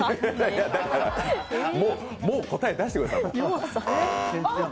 だから、もう答え出してください。